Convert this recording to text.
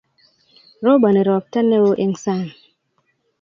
Roponi ropta neo eng' sang'